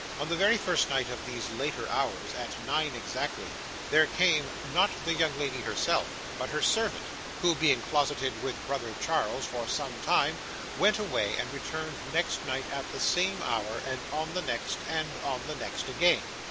On the very first night of these later hours, at nine exactly, there came: not the young lady herself, but her servant, who, being closeted with brother Charles for some time, went away, and returned next night at the same hour, and on the next, and on the next again.